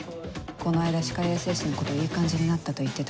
この間歯科衛生士の子といい感じになったと言ってたんで。